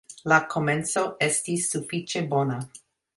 La komenco estis sufiĉe bona.